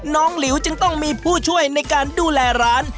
หลิวจึงต้องมีผู้ช่วยในการดูแลร้าน